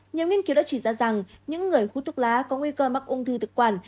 nhiều nghiên cứu đã chỉ ra rằng những người hút thuốc lá có nguy cơ mắc ung thư thực quản